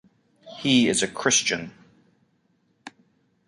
He is a Christian.